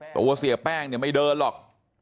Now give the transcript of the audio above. เสียแป้งเนี่ยไม่เดินหรอก